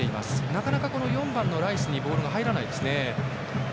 なかなか４番のライスにボールが入らないですね。